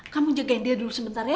kamu jagain dia dulu sebentar ya